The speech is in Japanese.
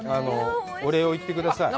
お礼を言ってください。